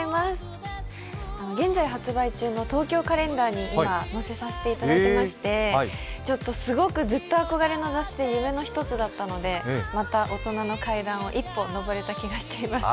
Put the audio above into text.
現在発売中の「東京カレンダー」に今、載せさせていただきまして、すごくずっと憧れの雑誌で夢の一つだったのでまた大人の階段を一歩上れた気がしています。